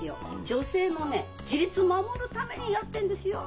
女性のね自立守るためにやってんですよ。